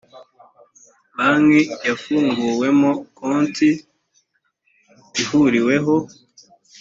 banki yafunguwemo konti ihuriweho